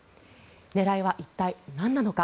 狙いは一体、何なのか。